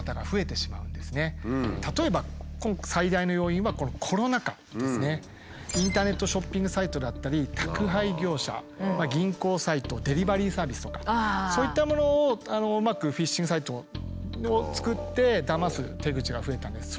年々巧妙化になって例えばインターネットショッピングサイトだったり宅配業者銀行サイトデリバリーサービスとかそういったものをうまくフィッシングサイトを作ってだます手口が増えたんです。